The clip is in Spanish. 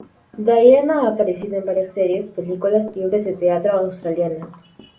Diana ha aparecido en varias series, películas y obras de teatro australianas.